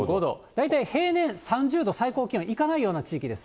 大体平年、３０度、最高気温いかないような地域です。